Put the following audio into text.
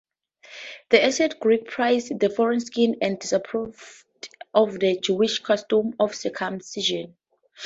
The ancient Greeks prized the foreskin and disapproved of the Jewish custom of circumcision.